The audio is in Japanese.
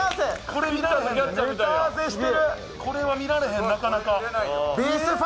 これは見られへん、なかなか。